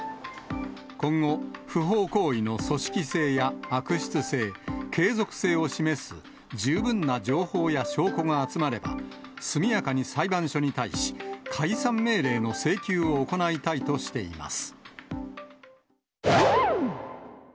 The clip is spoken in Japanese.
今後、不法行為の組織性や悪質性、継続性を示す十分な情報や証拠が集まれば、速やかに裁判所に対し解散命令の請求を行いたいとしています。